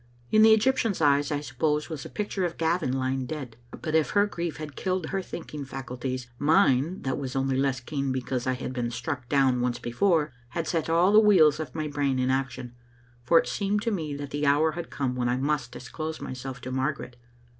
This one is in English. In the Egyptian's eyes, I suppose, was a picture of Gavin lying dead ; but if her grief had killed her think ing faculties, mine, that was only less keen because I had been struck down once before, had set all the wheels of my brain in action. For it seemed to me that the hour had come when I must disclose myself to Margaret.